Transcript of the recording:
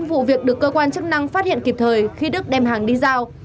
một cơ quan chức năng phát hiện kịp thời khi đức đem hàng đi giao